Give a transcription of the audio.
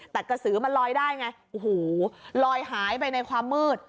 แต่กระสือมันลอยได้ไงโอ้โหลอยหายไปในความมืด